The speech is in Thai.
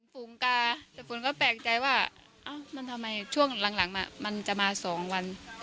ฝูงกาแต่ฝนก็แปลกใจว่ามันทำไมช่วงหลังมันจะมา๒วัน